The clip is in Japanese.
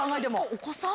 お子さん？